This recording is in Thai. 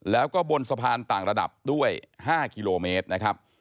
แล้วก็บนสะพานต่างระดับด้วย๕กิโลเมตรนะครับ